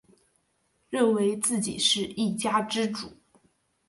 认为自己是一家之主